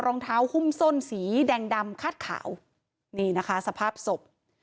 รองเท้าหุ้มส้นสีแดงดำคาดขาวนี่นะคะสภาพศพ